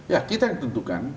ya kita yang tentukan